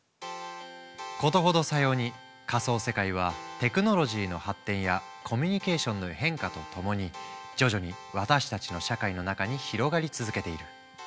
事ほどさように仮想世界はテクノロジーの発展やコミュニケーションの変化とともに徐々に私たちの社会の中に広がり続けている。